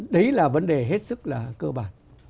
đấy là vấn đề hết sức là cơ bản